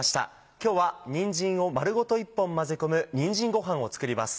今日はにんじんを丸ごと一本混ぜ込む「にんじんごはん」を作ります。